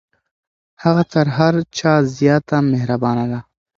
هغه تر هر چا زیاته مهربانه ده.